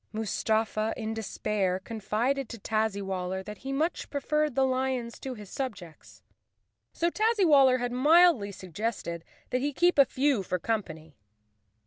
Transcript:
Mustafa, in despair, confided to Tazzywaller that he much preferred the lions to his subjects. So Tazzy¬ waller had mildly suggested that he keep a few for company.